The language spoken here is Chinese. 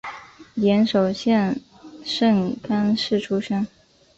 岩手县盛冈市出身。